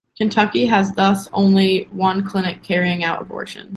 Kentucky has thus only one clinic carrying out abortions.